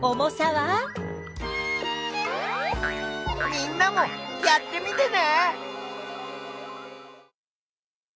みんなもやってみてね！